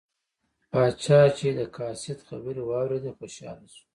پاچا چې د قاصد خبرې واوریدې خوشحاله شو.